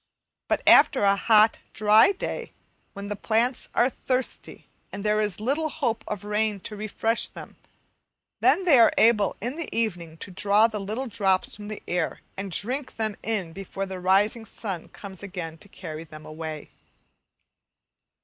But after a hot, dry day, when the plants are thirsty and there is little hope of rain to refresh them, then they are able in the evening to draw the little drops from the air and drink them in before the rising sun comes again to carry them away.